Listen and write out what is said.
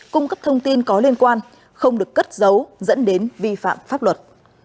cung cấp thông tin có liên quan không được cất giấu dẫn đến vi phạm pháp luật